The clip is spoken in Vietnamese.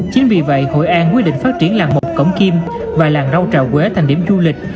chính vì vậy hội an quyết định phát triển làng mộc cổng kim và làng rau trà quế thành điểm du lịch